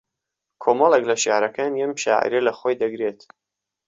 کۆمەڵێک لە شێعرەکانی ئەم شاعێرە لە خۆی دەگرێت